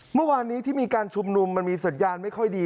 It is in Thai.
เมื่อวานนี้ที่มีการชุมนุมมันมีสัญญาณไม่ค่อยดี